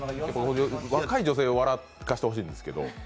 若い女性を笑かしてほしいんですけど。